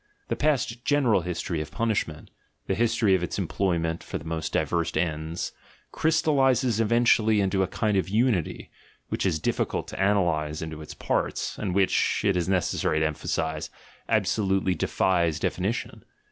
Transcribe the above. The past general history of pun ishment, the history of its employment for the most diverse ends, crystallises eventually into a kind of unity, which is difficult to analyse into its parts, and which, it is neces sary to emphasise, absolutely defies definition.